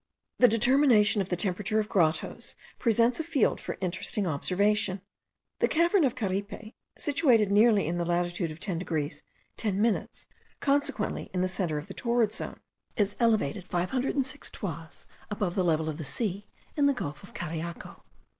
The determination of the temperature of grottoes presents a field for interesting observation. The cavern of Caripe, situated nearly in the latitude of 10 degrees 10 minutes, consequently in the centre of the torrid zone, is elevated 506 toises above the level of the sea in the gulf of Cariaco.